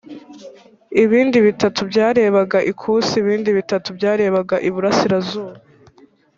ibindi bitatu byarebaga ikusi, ibindi bitatu byarebaga iburasirazuba